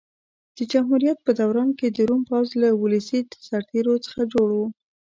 د جمهوریت په دوران کې د روم پوځ له ولسي سرتېرو څخه جوړ و.